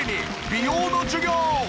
美容の授業！